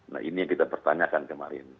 nah ini yang kita pertanyakan kemarin